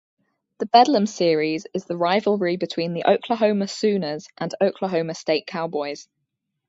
The Bedlam Series is the rivalry between the Oklahoma Sooners and Oklahoma State Cowboys.